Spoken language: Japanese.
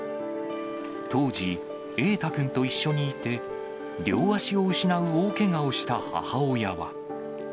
当時、瑛大君と一緒にいて両足を失う大けがをした母親は。